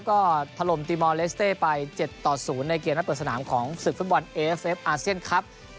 ก็ถล่มตีมอลเลสเต้ไป๗ต่อ๐ในเกมนัดเปิดสนามของศึกฟุตบอลเอฟเฟฟอาเซียนครับ